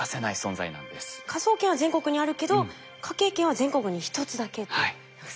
科捜研は全国にあるけど科警研は全国に１つだけと。